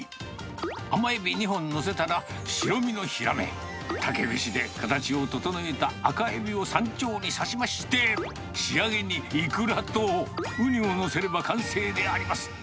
甘エビ２本載せたら、白身のヒラメ、竹串で形を整えた赤エビを山頂にさしまして、仕上げにイクラとウニを載せれば完成であります。